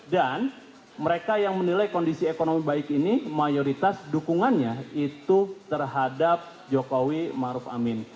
dan mereka yang menilai kondisi ekonomi baik ini mayoritas dukungannya itu terhadap jokowi maruf amin